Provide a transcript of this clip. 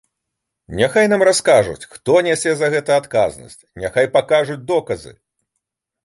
Няхай нам раскажуць, хто нясе за гэта адказнасць, няхай пакажуць доказы.